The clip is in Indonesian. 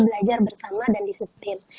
belajar bersama dan disiplin